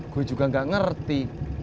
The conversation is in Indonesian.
gue juga nggak ngerti